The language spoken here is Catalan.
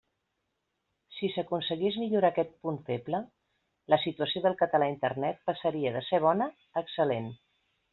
Si s'aconseguís millorar aquest punt feble, la situació del català a Internet passaria de ser bona a excel·lent.